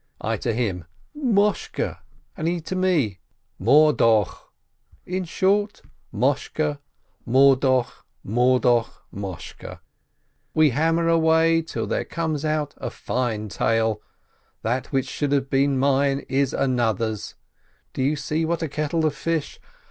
I to him, "Moshke." He to me, "Morduch !" In short, Moshke — Morduch, Morduch — Moshke, we hammer away till there comes out a fine tale: that which should have been mine is another's. You see what a kettle of fish?